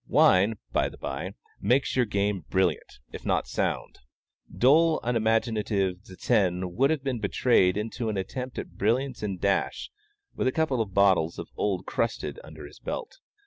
Wine, by the by, makes your game brilliant, if not sound. Dull, unimaginative Zsen would have been betrayed into an attempt at brilliance and dash, with a couple of bottles of "old crusted" under his belt.